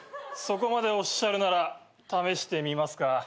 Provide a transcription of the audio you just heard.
そこまでおっしゃるなら試してみますか。